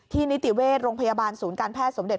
นิติเวชโรงพยาบาลศูนย์การแพทย์สมเด็